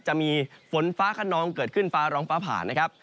จะมีฝนฟ้าขนองเกิดขึ้นฟ้าร้องฟ้าผ่านะครับ